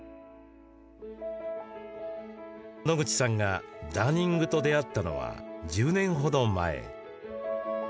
野口さんがダーニングと出会ったのは１０年程前。